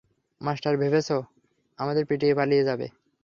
Master ভেবেছে আমাদের পিটিয়ে পালিয়ে যাবে?